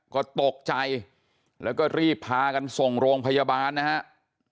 ก็ตกใจแล้วก็รีบพากันส่งโรงพยาบาลนะครับ